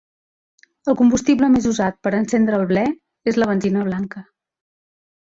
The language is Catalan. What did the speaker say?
El combustible més usat per a encendre el ble és la benzina blanca.